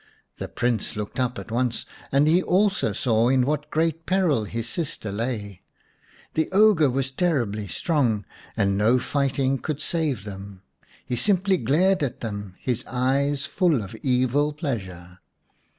The Prince looked up at once, and he also saw in what great peril his sister lay. The ogre was terribly strong, and no fighting could save them. He simply glared at them, his eyes full of evil pleasure.